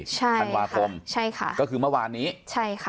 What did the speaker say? ใช่ธันวาคมใช่ค่ะก็คือเมื่อวานนี้ใช่ค่ะ